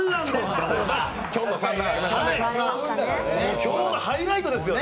今日のハイライトですよね。